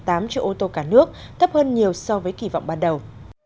tổng số ba tám triệu xe ô tô cả nước thấp hơn nhiều so với kỳ vọng ban đầu